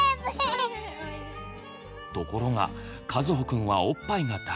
ところがかずほくんはおっぱいが大好き。